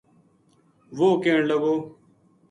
‘‘وہ کہن لگو